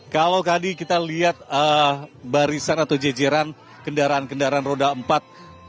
kalau tadi kita lihat barisan atau jejeran kendaraan kendaraan roda empat